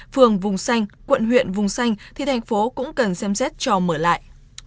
phường vùng xanh quận huyện vùng xanh thì thành phố cũng cần xem xét cho mở lại